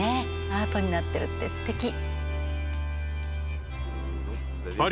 アートになってるってすてき。